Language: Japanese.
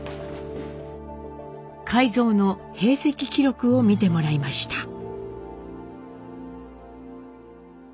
海蔵の兵籍記録を見てもらいました。